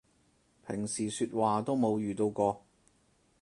平時說話都冇遇到過